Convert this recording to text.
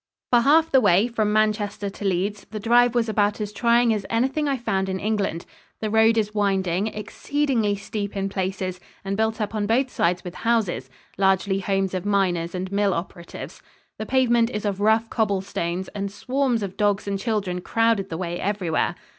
For half the way from Manchester to Leeds, the drive was about as trying as anything I found in England. The road is winding, exceedingly steep in places, and built up on both sides with houses largely homes of miners and mill operatives. The pavement is of rough cobble stones, and swarms of dogs and children crowded the way everywhere.